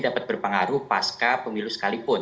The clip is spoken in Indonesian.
dapat berpengaruh pasca pemilu sekalipun